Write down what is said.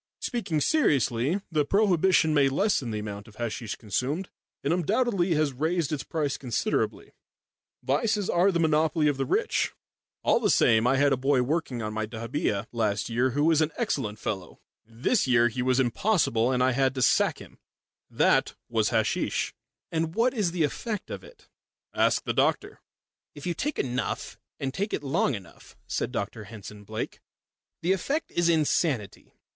Speaking seriously, the prohibition may lessen the amount of hasheesh consumed, and undoubtedly has raised its price considerably vices are the monopoly of the rich. All the same, I had a boy working on my dahabeeah last year who was an excellent fellow. This year he was impossible, and I had to sack him. That was hasheesh." "And what is the effect of it?" "Ask the doctor." "If you take enough and take it long enough," said Dr Henson Blake, "the effect is insanity.